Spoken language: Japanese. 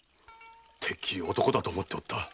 てっきり男だと思っておった。